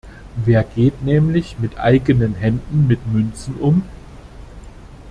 Wer geht nämlich mit eigenen Händen mit Münzen um?